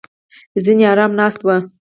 ځینې ارامه ناست وو.